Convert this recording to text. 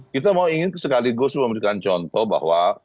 kita mau ingin sekaligus memberikan contoh bahwa